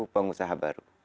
sepuluh pengusaha baru